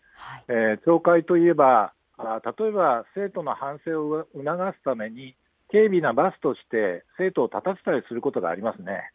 懲戒といえば、例えば生徒の反省を促すために、軽微な罰として生徒を立たせたりすることがありますね。